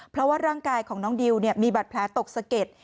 เพราะว่าร่างกายของน้องดิวมีบัตรแผลตกสะเก็ด